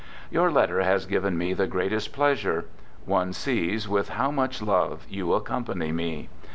Your letter has given me | the greatest pleasure; one sees with how much love ■ you accompany me.